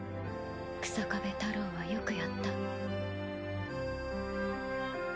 日下部太朗はよくやった。